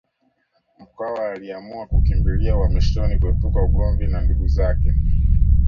Mkwawa aliamua kukimbilia uhamishoni kuepuka ugomvi na ndugu zake